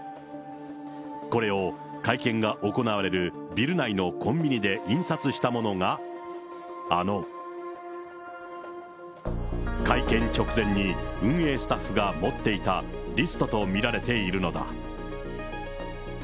これを会見が行われるビル内のコンビニで印刷したものが、あの会見直前に運営スタッフが持っていたリストと見られているのだ。